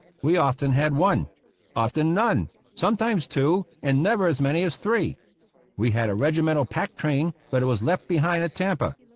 We often had one, often none, 277 APPENDIX B sometimes two, and never as many as three. We had a regimental pack train, but it was left behind at Tampa.